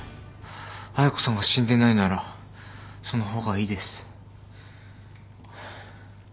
彩子さんが死んでないならその方がいいです。